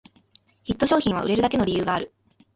ヒット商品は売れるだけの理由がある